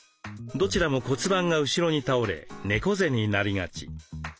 どちらも骨盤が後ろに倒れ猫背になりがち。